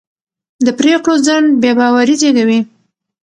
د پرېکړو ځنډ بې باوري زېږوي